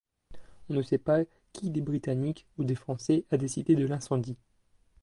On ne sait pas qui des Britanniques ou des Français a décidé de l'incendie.